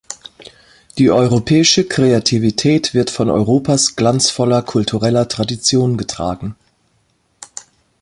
Die europäische Kreativität wird von Europas glanzvoller kultureller Tradition getragen.